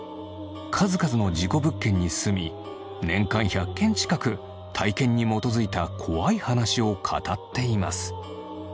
数々の事故物件に住み年間１００件近く体験に基づいた怖い話を語っています。